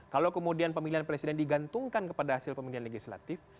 kalau kemudian pemilihan presiden digantungkan kepada hasil pemilihan legislatif